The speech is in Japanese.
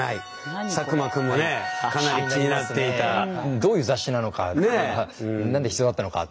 どういう雑誌なのか何で必要だったのかっていうのはい。